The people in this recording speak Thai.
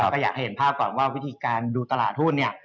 ก็อยากให้เห็นภาพก่อนว่าวิธีการดูตลาดหุ้นเนี่ย